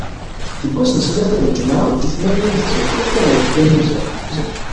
Deg wass n ttlata d lǧemεa seg tmenya n tsebḥit ar lweḥda n uzal.